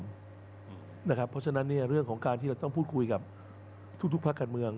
เพราะฉะนั้นเรื่องของการที่เราต้องพูดคุยกับทุกภาคการเมือง